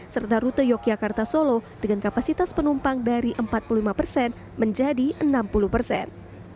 serta rute yogyakarta solo dengan kapasitas penumpang dari empat puluh lima persen menjadi enam puluh persen